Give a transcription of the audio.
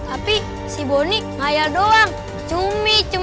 tapi juga gak rosashi kan